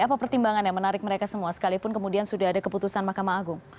apa pertimbangan yang menarik mereka semua sekalipun kemudian sudah ada keputusan mahkamah agung